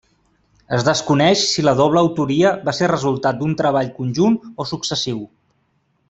Es desconeix si la doble autoria va ser resultat d'un treball conjunt o successiu.